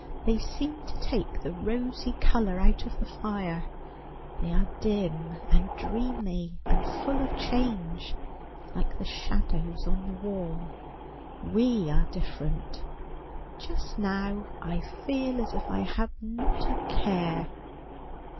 They seem to take the rosy colour out of the fire ; they are dim and dreamy and full of change, like the shadows on the wall. We are different. Just now I feel as if I had not a care.'